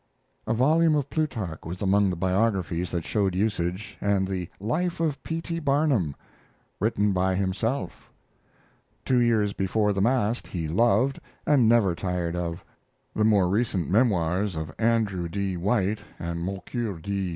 A volume of Plutarch was among the biographies that showed usage, and the Life of P. T. Barnum, Written by Himself. Two Years Before the Mast he loved, and never tired of. The more recent Memoirs of Andrew D. White and Moncure D.